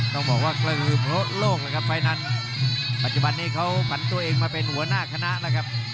ต้องบอกว่ากระหือเพราะโลกเลยครับไฟล์นั้นปัจจุบันนี้เขาผันตัวเองมาเป็นหัวหน้าคณะแล้วครับ